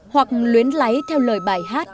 hoặc luyến lấy theo lời bài hát